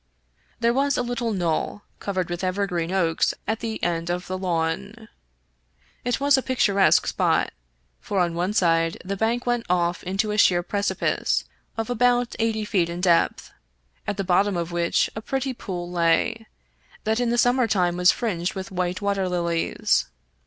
There was a little knoll covered with evergreen oaks at the end of the lawn. It was a picturesque spot, for on one side the bank went off into a sheer precipice of about eighty feet in depth, at the bottom of which a pretty pool lay, that in the summer time was fringed with white water lilies.